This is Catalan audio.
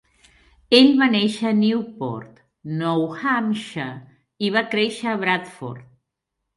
Ell va néixer a Newport, Nou Hampshire, i va créixer a Bradford.